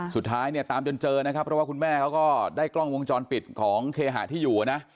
สุดท้ายเนี่ยตามจนเจอนะครับเพราะว่าคุณแม่เขาก็ได้กล้องวงจรปิดของเคหะที่อยู่นะ